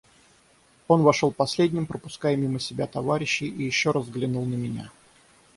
Он вошел последним, пропуская мимо себя товарищей, и еще раз взглянул на меня.